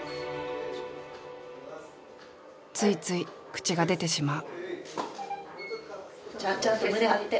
ついつい口が出てしまう。